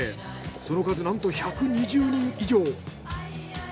その数なんと１２０人以上。